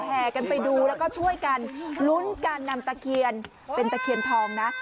แห่กันไปดูแล้วก็ช่วยกันลุ้นการนำตะเคียนเป็นตะเคียนทองนะ